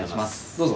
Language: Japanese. どうぞ。